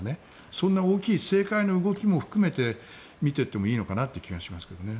そんな大きい政界の動きも含めて見ていってもいいのかなという気がしますけどね。